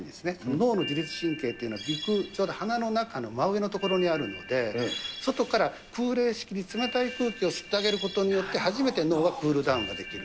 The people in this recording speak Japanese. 脳の自律神経っていうのは、鼻腔、ちょうど鼻の中の真上の所にあるので、外から空冷式で、冷たい空気を吸ってあげることによって、初めて脳はクールダウンができる。